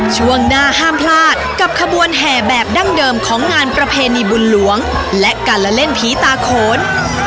ช่วงหน้าห้ามพลาดกับขบวนแห่แบบดั้งเดิมของงานประเพณีบุญหลวงและการละเล่นผีตาโขน